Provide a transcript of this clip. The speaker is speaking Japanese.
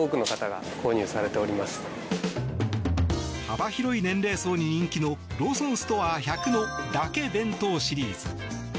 幅広い年齢層に人気のローソンストア１００のだけ弁当シリーズ。